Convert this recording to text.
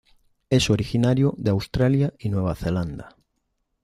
Es originario de Australia y Nueva Zelanda.